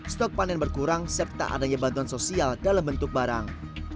stok panen berkurang serta adanya bantuan sosial dalam bentuk barang